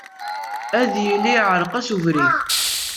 Ad yili iɛreq-as ubrid.